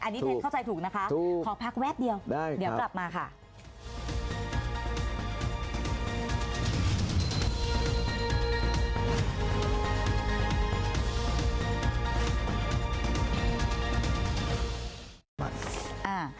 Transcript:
อันนี้เทศเข้าใจถูกนะคะขอพักแวบเดียวเดี๋ยวกลับมาค่ะถูกได้ค่ะ